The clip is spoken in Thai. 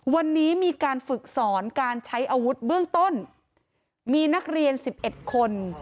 วันนี้มีการฝึกสอนการใช้อาวุธเบื้องต้นมีนักเรียน๑๑คน